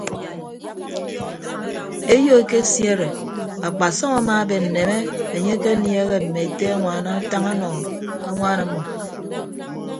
Eyo ekesiere akpasọm amaaben nneme enye ekeniehe mme ete añwaan atañ ọnọ añwaan ọmọ.